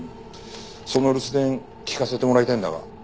その留守電聞かせてもらいたいんだが。